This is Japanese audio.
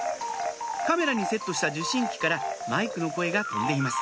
カメラにセットした受信機からマイクの声が飛んでいます